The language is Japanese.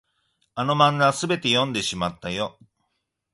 あの漫画、すべて読んでしまったよ。